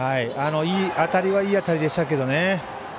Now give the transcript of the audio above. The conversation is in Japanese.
当たりはいい当たりでしたけどね。